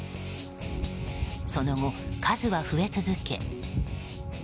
その後、数は増え続け